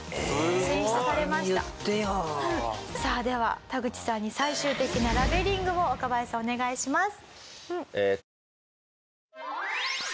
さあではタグチさんに最終的なラベリングを若林さんお願いします。